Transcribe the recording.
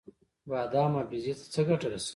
بادام حافظې ته څه ګټه رسوي؟